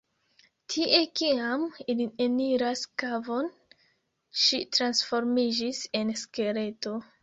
Tie, kiam ili eniras kavon, ŝi transformiĝis en skeleto.